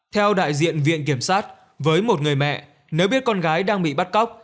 theo đại diện viện kiểm sát với một người mẹ nếu biết con gái đang bị bắt cóc